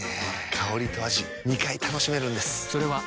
香りと味２回楽しめるんです。